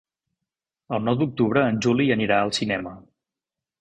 El nou d'octubre en Juli anirà al cinema.